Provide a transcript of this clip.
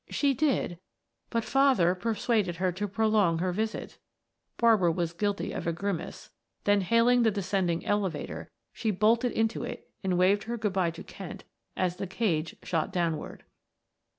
"She did, but father persuaded her to prolong her visit," Barbara was guilty of a grimace, then hailing the descending elevator she bolted into it and waved her good by to Kent as the cage shot downward.